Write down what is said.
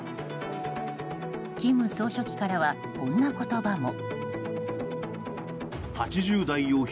金総書記からは、こんな言葉も。